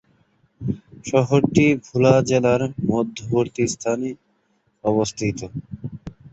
শহরটি ভোলা জেলার মধ্যবর্তী স্থানে অবস্থিত।